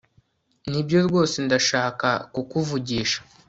nibyo rwose ndashaka kukuvugisha